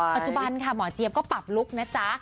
ปัจจุบันค่ะหมอเจี๊ยบก็ปรับลุคนะจ๊ะ